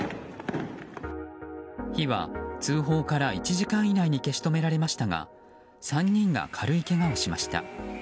火は通報から１時間以内に消し止められましたが３人が軽いけがをしました。